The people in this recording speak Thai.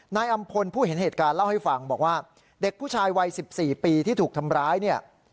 นายอำพลผู้เห็นเหตุการณ์เล่าให้ฟังบอกว่าเด็กผู้ชายวัย๑๔ปีที่ถูกทำร้ายเนี่ย